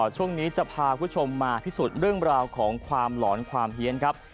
ช่วงนี้จะพาคุณผู้ชมมาพิสูจน์เรื่องราวของความหลอนความเฮียนครับ